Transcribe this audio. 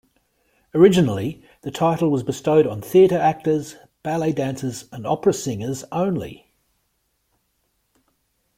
Originally, the title was bestowed on theatre actors, ballet dancers, and opera singers only.